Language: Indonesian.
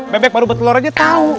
bebek baru buat telur aja tau